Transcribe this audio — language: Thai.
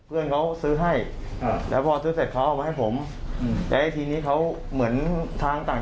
ลุกมาแบบว่าทำท่าเหมือนจะทำทาง